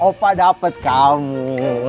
opa dapet kamu